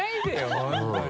本当に。